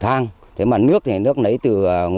thành phố tuyên quang